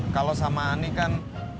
kalau sama ani kan